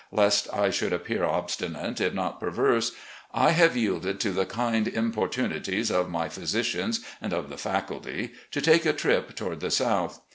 Lest I should appear obstinate, if not perverse, I have yielded to the kind importunities of my physicians and of the faculty to take a trip toward the South.